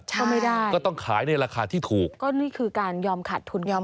ก็ไม่ได้ก็ต้องขายในราคาที่ถูกก็นี่คือการยอมขาดทุนยอม